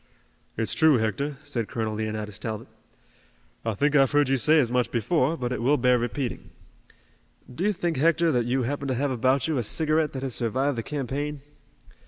"It's true, Hector," said Colonel Leonidas Talbot. "I think I've heard you say as much before, but it will bear repeating. Do you think, Hector, that you happen to have about you a cigarette that has survived the campaign?"